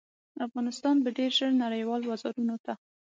افغانستان به ډیر ژر نړیوالو بازارونو ته